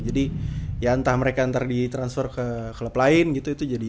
jadi ya entah mereka ntar di transfer ke klub lain gitu ya